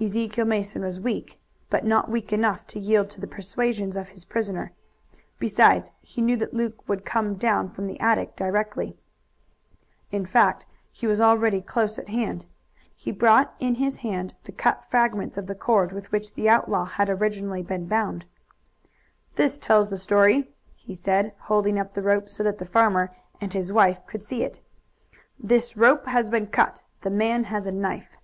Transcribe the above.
Ezekiel Mason was weak, but not weak enough to yield to the persuasions of his prisoner. Besides, he knew that Luke would come down from the attic directly. In fact, he was already close at hand. He brought in his hand the cut fragments of the cord with which the outlaw had originally been bound. "This tells the story," he said, holding up the rope so that the farmer and his wife could see it. "This rope has been cut. The man has a knife."